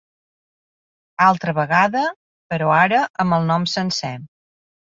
Altra vegada, però ara amb el nom sencer.